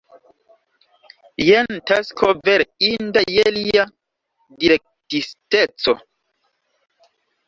Jen tasko vere inda je lia direktisteco.